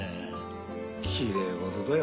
きれいごとだよ